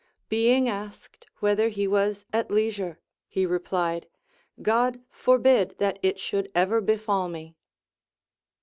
Being asked whether he was at leisure, he replied : God forbid that it should ever befill me.